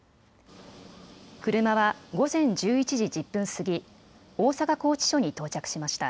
車は午前１１時１０分過ぎ、大阪拘置所に到着しました。